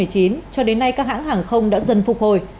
cho đến nay các hãng hàng không đã dần phục hồi